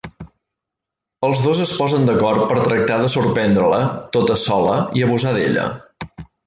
Els dos es posen d'acord per a tractar de sorprendre-la tota sola i abusar d'ella.